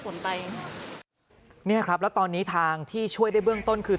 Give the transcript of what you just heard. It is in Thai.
เนี่ยครับแล้วตอนนี้ทางที่ช่วยได้เบื้องต้นคือ